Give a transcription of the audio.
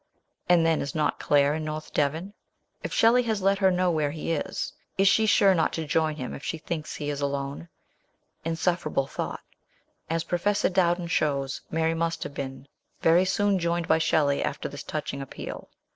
And then, is not Claire in North Devon ? If Shelley has let her know where he is, is she not sure to join him if she think he is alone ? Insuffer able thought ! As Professor Dowden shows, Mary must have been very soon joined by Shelley after this touching appeal.